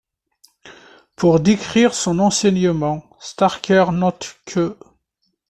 Pour décrire son enseignement, Starker note qu'.